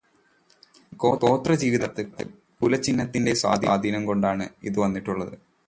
ഗോത്രജീവിതകാലത്തെ കുലചിഹ്നത്തിന്റെ സ്വാധീനം കൊണ്ടാണ് ഇത് വന്നിട്ടുള്ളത്.